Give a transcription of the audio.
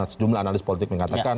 sejumlah analis politik mengatakan